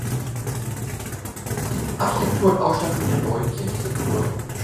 Architektur und Ausstattung der neuen Kirche sind neugotisch.